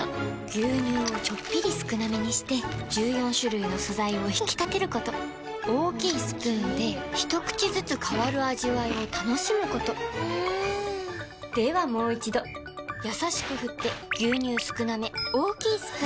牛乳をちょっぴり少なめにして１４種類の素材を引き立てること大きいスプーンで一口ずつ変わる味わいを楽しむことではもう一度これだ！